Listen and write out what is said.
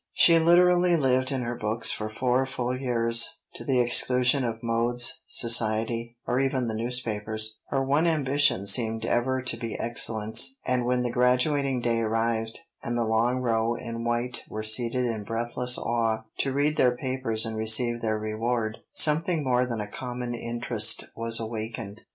She literally lived in her books for four full years, to the exclusion of modes, society, or even the newspapers; her one ambition seemed ever to be excellence, and when the graduating day arrived, and the long row in white were seated in breathless awe to read their papers and receive their reward, something more than a common interest was awakened.